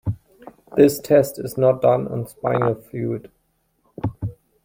This test is not done on spinal fluid.